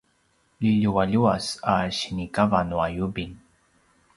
liljualjuas a sinikava nua yubing